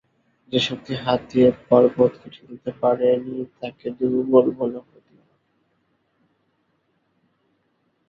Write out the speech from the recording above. যে শক্তি হাত দিয়ে পর্বতকে ঠেলতে পারে নি তাকে দুর্বল বলে অপবাদ দিয়ো না।